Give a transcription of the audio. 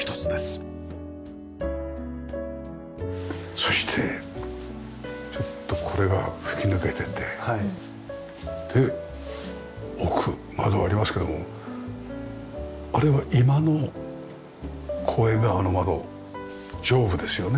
そしてちょっとこれが吹き抜けててで奥窓がありますけどもあれは居間の公園があの窓上部ですよね。